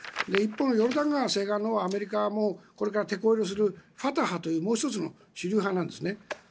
ヨルダン川西岸のほうはこれからてこ入れするファタハというもう１つの主流派なんですね。